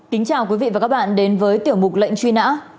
kính chào quý vị và các bạn đến với tiểu mục lệnh truy nã